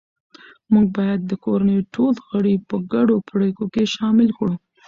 موږ باید د کورنۍ ټول غړي په ګډو پریکړو کې شامل کړو